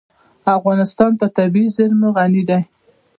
افغانستان په طبیعي زیرمې غني دی.